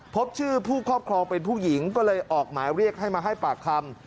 พบชื่อผู้ครอบครองเป็นผู้หญิงก็เลยออกหมายเรียกให้มาให้ปากคำ